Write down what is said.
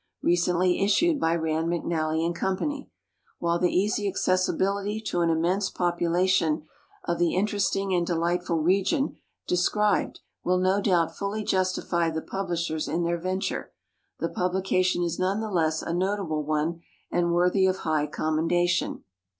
recently issued by Rand, McXally «S: Co. While the easy accessibility to an immense population of the interesting and delightful region described will no doubt fully justify the publishers in their venture, the publication is none the less a notable one and worthy of high conunendation.